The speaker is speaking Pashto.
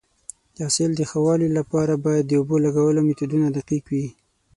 د حاصل د ښه والي لپاره باید د اوبو لګولو میتودونه دقیق وي.